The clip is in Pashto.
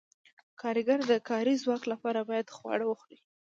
کارګر د کاري ځواک لپاره باید خواړه وخوري.